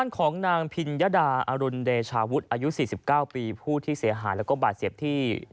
เกิดเหตุแบบนี้